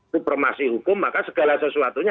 supremasi hukum maka segala sesuatunya